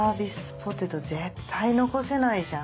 ポテト絶対残せないじゃん。